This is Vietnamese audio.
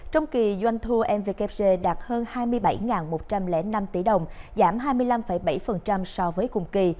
trong kỳ doanh thu mvkc đạt hơn hai mươi bảy một trăm linh năm tỷ đồng giảm hai mươi năm bảy so với cùng kỳ